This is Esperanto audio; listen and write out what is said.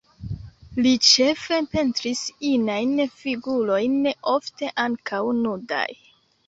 Li ĉefe pentris inajn figurojn, ofte ankaŭ nudaj.